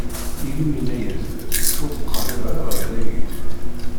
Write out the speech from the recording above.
Illu yenna-as-d: Ur d-ttqerrib ara ɣer dagi!